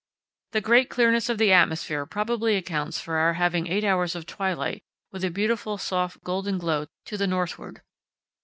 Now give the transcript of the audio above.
The great clearness of the atmosphere probably accounts for our having eight hours of twilight with a beautiful soft golden glow to the northward.